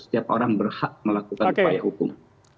setiap orang berhak melakukan upaya hukum